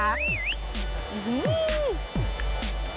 อื้อ